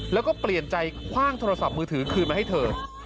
แล้วก็เปลี่ยนใจคว่างโทรศัพท์มือถือคืนมาให้เธอ